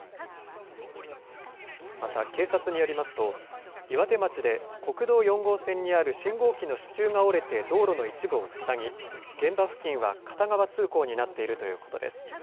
また警察によりますと、岩手町で国道４号線にある信号機の支柱が折れて道路の一部を塞ぎ、現場付近は片側通行になっているということです。